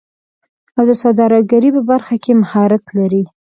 او د سوداګرۍ په برخه کې مهارت لري